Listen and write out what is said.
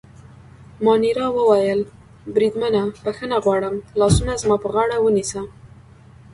مانیرا وویل: بریدمنه، بخښنه غواړم، لاسونه زما پر غاړه ونیسه.